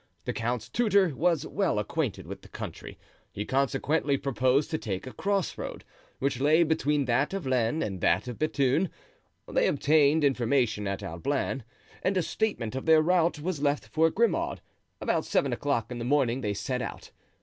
The count's tutor was well acquainted with the country; he consequently proposed to take a crossroad, which lay between that of Lens and that of Bethune. They obtained information at Ablain, and a statement of their route was left for Grimaud. About seven o'clock in the morning they set out.